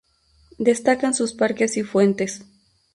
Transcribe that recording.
Destacan sus parques y fuentes.